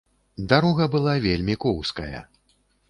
Дарога была вельмі коўзкая.